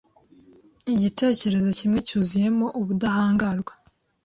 Igitekerezo kimwe cyuzuyemo ubudahangarwa